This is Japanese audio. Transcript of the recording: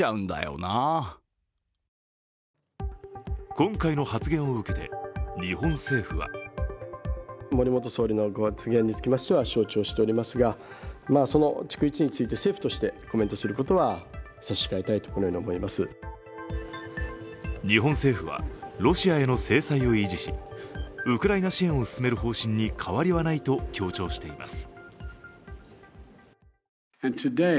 今回の発言を受けて日本政府は日本政府はロシアへの制裁を維持しウクライナ支援を進める方針に変わりはないと強調しています。